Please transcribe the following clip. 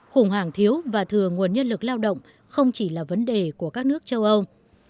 khủng hoảng thiếu và thừa nguồn nhân lực lao động không chỉ là vấn đề của các nước châu âu